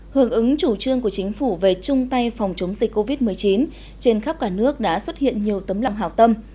hưởng ứng chủ trương của chính phủ về chung tay phòng chống dịch covid một mươi chín trên khắp cả nước đã xuất hiện nhiều tấm lòng hào tâm